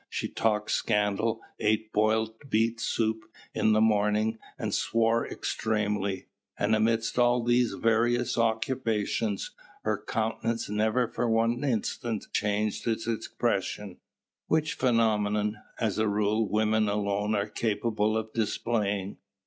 She talked scandal, ate boiled beet soup in the morning, and swore extremely; and amidst all these various occupations her countenance never for one instant changed its expression, which phenomenon, as a rule, women alone are capable of displaying.